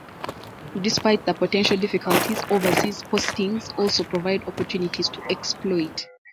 Despite the potential difficulties, overseas postings also provide opportunities to exploit.